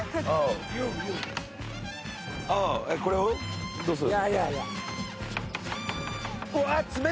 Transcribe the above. これをどうする？